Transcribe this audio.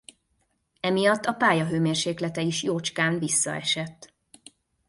Emiatt a pálya hőmérséklete is jócskán visszaesett.